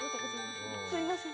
すいません。